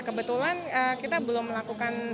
kebetulan kita belum melakukan